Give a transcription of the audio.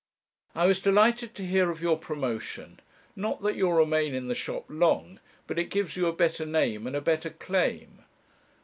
'I was delighted to hear of your promotion; not that you'll remain in the shop long, but it gives you a better name and a better claim.